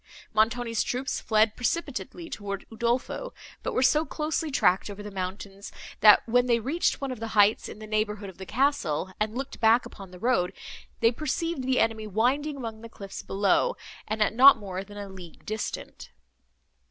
Montoni's troops fled precipitately towards Udolpho, but were so closely tracked over the mountains, that, when they reached one of the heights in the neighbourhood of the castle, and looked back upon the road, they perceived the enemy winding among the cliffs below, and at not more than a league distant.